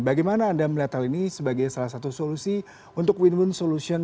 bagaimana anda melihat hal ini sebagai salah satu solusi untuk win win solution